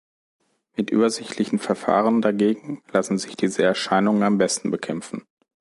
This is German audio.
Mit übersichtlichen Verfahren dagegen lassen sich diese Erscheinungen am besten bekämpfen.